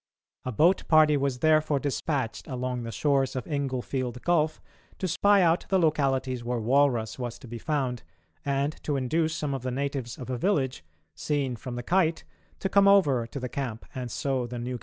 A boat party was therefore despatched along the shores of Inglefield Gulf, to spy out the localities where walrus was to be found, and to induce some of the natives of a village, seen from the Kite, to come over to the camp and sew the new garments.